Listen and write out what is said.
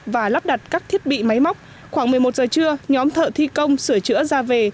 và lắp đặt các thiết bị máy móc khoảng một mươi một giờ trưa nhóm thợ thi công sửa chữa ra về